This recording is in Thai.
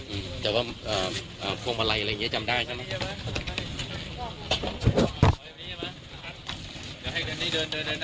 แต่ว่าฟวงบลัยอะไรอย่างเงี้ยจำได้ใช่ไหม